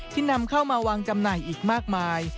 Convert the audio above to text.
นำเข้ามาวางจำหน่ายอีกมากมาย